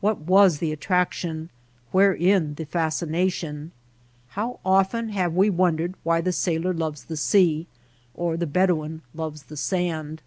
What was the attraction, wherein the fascination ? How often have we wondered why the sailor loves the sea, why the Bedouin loves the sand